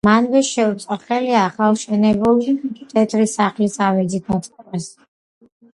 მანვე შეუწყო ხელი ახალაშენებული თეთრი სახლის ავეჯით მოწყობას.